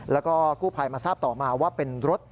แล้วก็กู้ภัยมาทราบต่อมาว่าเป็นรถ